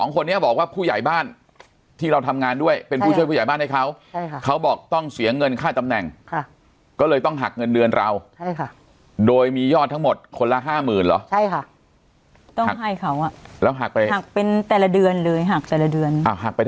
คนละ๕๐๐๐คนละ๕๐๐๐ผู้ใหญ่บอกว่าอะไรว่ายังไงครับทำไมหักไป๕๐๐๐